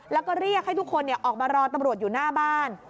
แล้วก็เรียกให้ทุกคนออกมารอตำรวจอยู่หน้าบ้าน